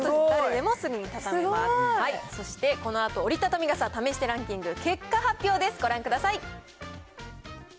ではこのあと、折りたたみ傘試してランキング、結果発表です、ご覧ください。